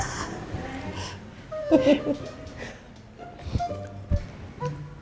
kok bisa gak ketahuan ya